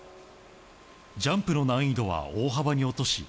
ジャンプの難易度は大幅に落とし